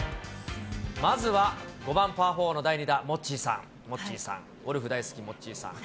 まずは５番パー４の第２打、モッチーさん、モッチーさん、ゴルフ大好き、モッチーさん。